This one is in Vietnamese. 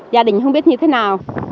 gia đình không biết như thế nào